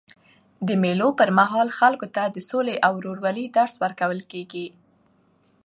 د مېلو پر مهال خلکو ته د سولي او ورورولۍ درس ورکول کېږي.